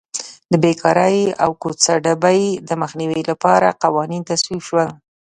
د بېکارۍ او کوڅه ډبۍ د مخنیوي لپاره قوانین تصویب شول.